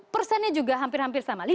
persennya juga hampir hampir sama